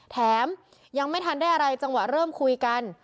แถมยังไม่ทันได้อะไรจังหวะเริ่มคุยกัน